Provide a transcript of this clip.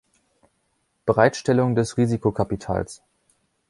Bereitstellung des Risikokapitals.